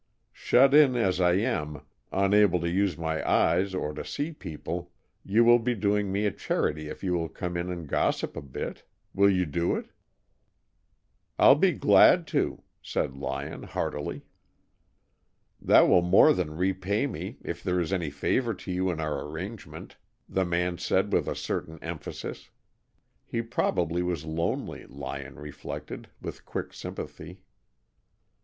Shut in as I am, unable to use my eyes or to see people, you will be doing me a charity if you will come in and gossip a bit. Will you do it?" "I'll be glad to," said Lyon, heartily. "That will more than repay me, if there is any favor to you in our arrangement," the man said with a certain emphasis. He probably was lonely, Lyon reflected, with quick sympathy.